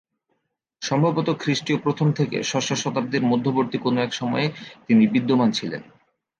সম্ভবত খ্রিষ্টীয় প্রথম থেকে ষষ্ঠ শতাব্দীর মধ্যবর্তী কোনো এক সময়ে তিনি বিদ্যমান ছিলেন।